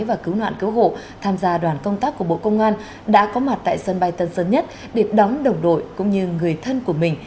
và cứu nạn cứu hộ tham gia đoàn công tác của bộ công an đã có mặt tại sân bay tân sơn nhất để đóng đồng đội cũng như người thân của mình